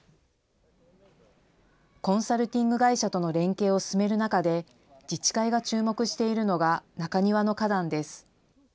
コンサルティング会社との連携を進める中で、自治会が注目しているのが中庭の花壇です。